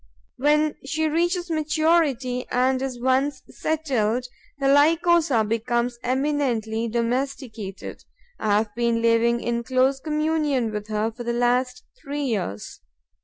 When she reaches maturity and is once settled, the Lycosa becomes eminently domesticated. I have been living in close communion with her for the last three years.